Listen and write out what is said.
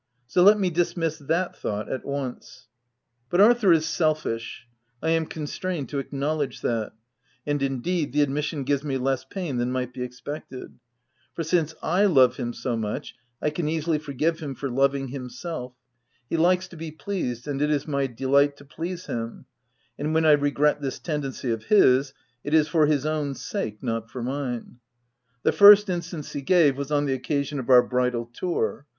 So let me dismiss that thought at once. But Arthur is selfish — I am constrained to acknowledge that ; and, indeed, the admission gives me less pain than might be expected ; for, since / love him so much, I can easily for give him for loving himself: he likes to be pleased, and it is my delight to please him, — and when I regret this tendency of his, it is for his own sake, not for mine. The first instance he gave was on the occa sion of our bridal tour.